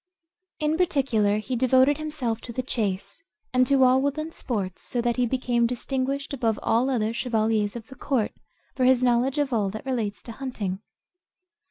In particular, he devoted himself to the chase and to all woodland sports, so that he became distinguished above all other chevaliers of the court for his knowledge of all that relates to hunting.